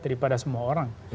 daripada semua orang